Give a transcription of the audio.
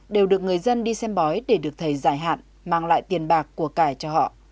đều được người dân đi xem bói để được thầy giải hạn mang lại tiền bạc của cải cho họ